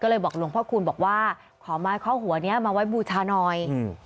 ก็เลยบอกหลวงพ่อคูณบอกว่าขอไม้ข้อหัวนี้มาไว้บูชาหน่อยอืม